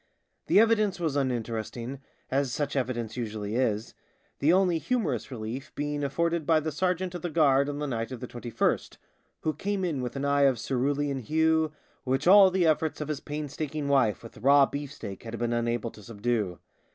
The evidence was uninteresting, as such evidence usually is, the only humorous relief being afforded by the sergeant of the guard on the night of the 21st, who came in with an eye of cerulean hue which all the efforts of his painstaking wife with raw beefsteak had been unable to subdue.